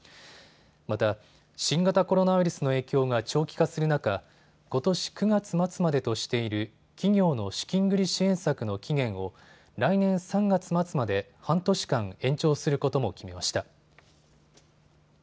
また、新型コロナウイルスの影響が長期化する中、ことし９月末までとしている企業の資金繰り支援策の期限を来年３月末まで半年間延長することも決めました。